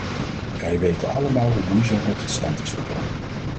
Wij weten allemaal hoe moeizaam het tot stand is gekomen.